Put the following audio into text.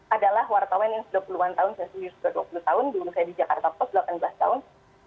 adalah wartawan yang dua puluh an tahun saya sendiri sudah dua puluh tahun dulu saya di jakarta post delapan belas tahun